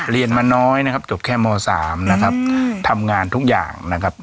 เรียนมาน้อยนะครับจบแค่ม๓นะครับทำงานทุกอย่างนะครับ